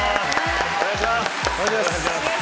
お願いします。